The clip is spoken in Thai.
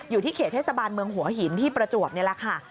อยู่ที่เขตเทศบาลเมืองหัวหินที่ประจวบนี่แหละค่ะ